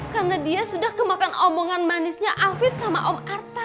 karena dia sudah kemakan omongan manisnya afif sama om arta